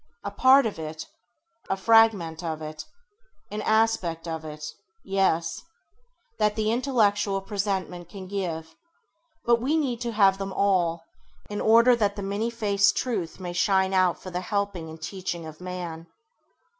A part of it, a fragment of it, an aspect of it — yes — that the intellectual presentment can give; but we need to have them all, in order that the many faced truth may shine out for the helping and teaching of man.